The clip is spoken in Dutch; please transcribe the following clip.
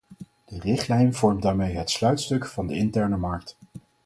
De richtlijn vormt daarmee het sluitstuk van de interne markt.